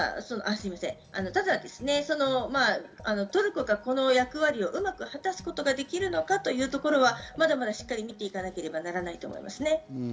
ただトルコがこの役割をうまく果たすことができるのかというところはまだまだしっかり見ていかなければならないです。